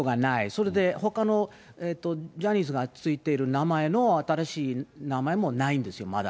それでほかのジャニーズが付いている名前の新しい名前もないんですよ、まだ。